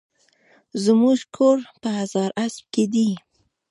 زموکور په هزاراسپ کی دي